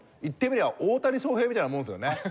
言ってみりゃ大谷翔平みたいなもんですよね。